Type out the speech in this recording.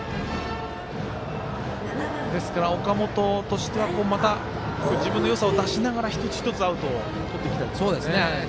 岡本としては自分のよさを出しながら一つ一つアウトをとっていきたいところですね。